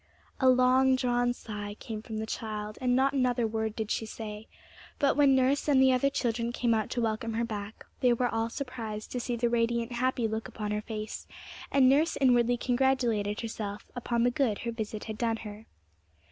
A long drawn sigh came from the child, and not another word did she say; but when nurse and the other children came out to welcome her back, they were all surprised to see the radiant, happy look upon her face, and nurse inwardly congratulated herself upon the good her visit had done her.